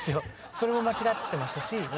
それも間違ってましたし。